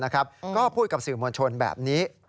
ก็พูดกับสื่อมวลชนแบบนี้